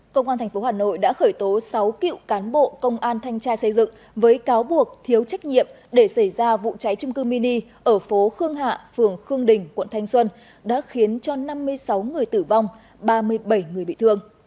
công an tp hà nội đã khởi tố sáu cựu cán bộ công an thanh tra xây dựng với cáo buộc thiếu trách nhiệm để xảy ra vụ cháy trung cư mini ở phố khương hạ phường khương đình quận thanh xuân đã khiến cho năm mươi sáu người tử vong ba mươi bảy người bị thương